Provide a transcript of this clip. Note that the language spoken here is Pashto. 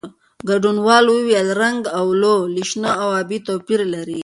ګډونوالو وویل، رنګ "اولو" له شنه او ابي توپیر لري.